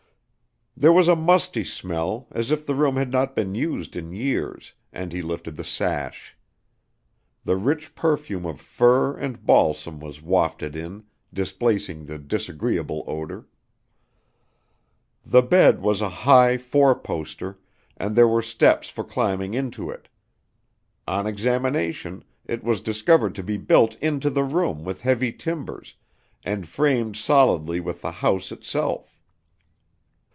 There was a musty smell, as if the room had not been used in years, and he lifted the sash. The rich perfume of fir and balsam was wafted in, displacing the disagreeable odor. The bed was a high four poster, and there were steps for climbing into it. On examination, it was discovered to be built into the room with heavy timbers, and framed solidly with the house itself.